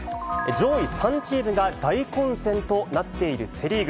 上位３チームが大混戦となっているセ・リーグ。